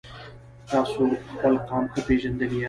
تاسو خپل قام ښه پیژندلی یاست.